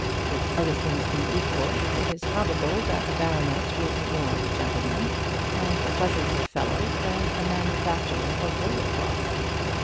If other things be equal, it is probable that a baronet will be more of a gentleman and a pleasanter fellow than a manufacturer of oilcloth.